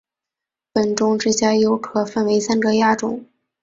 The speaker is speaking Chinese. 本种之下又可分为三个亚种。